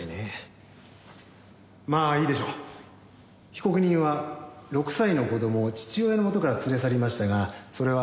被告人は６歳の子供を父親のもとから連れ去りましたがそれは。